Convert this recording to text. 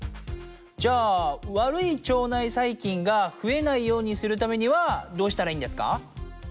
じゃあわるい腸内細菌がふえないようにするためにはどうしたらいいんですか？